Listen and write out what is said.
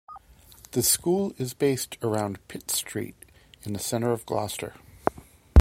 The school is based around Pitt Street in the centre of Gloucester.